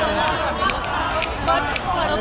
โฟกอยู่หลังโชคของอีกเดือน